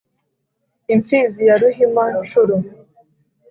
imfizi ya ruhima-nshuro